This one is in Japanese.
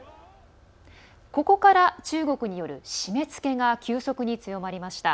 ここから、中国による締めつけが急速に強まりました。